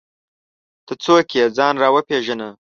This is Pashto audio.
ته څوک یې ؟ ځان راوپېژنه!